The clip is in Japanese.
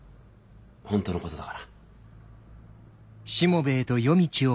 本当のことだから。